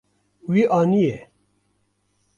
Wî aniye.